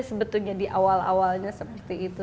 sebetulnya di awal awalnya seperti itu